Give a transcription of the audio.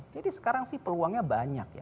jadi sekarang sih peluangnya banyak